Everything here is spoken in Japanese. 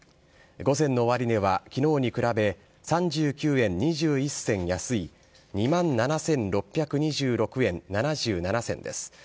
午前の終値はきのうに比べ３９円２１銭安い、２万７６２６円７７銭です。